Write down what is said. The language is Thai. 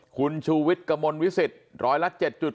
คุณชูวิทย์กระมวลวิสิตร้อยละ๗๗